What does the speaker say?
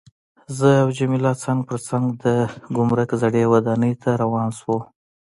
زه او جميله څنګ پر څنګ د ګمرک زړې ودانۍ ته روان شوو.